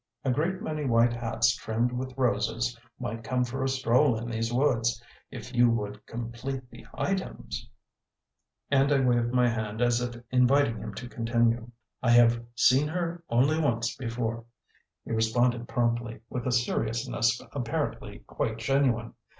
A great many white hats trimmed with roses might come for a stroll in these woods. If you would complete the items " and I waved my hand as if inviting him to continue. "I have seen her only once before," he responded promptly, with a seriousness apparently quite genuine.